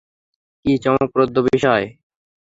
কী চমকপ্রদ বিষয়!